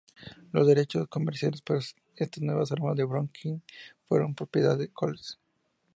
Los derechos comerciales para estas nuevas armas de Browning fueron propiedad de Colt.